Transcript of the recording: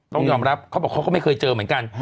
ต้องยอมรับเขาบอกเขาก็ไม่เคยเจอเหมือนกัน